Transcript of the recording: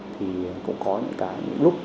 thì cũng có những lúc